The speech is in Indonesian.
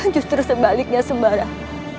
justru sebaliknya sembarang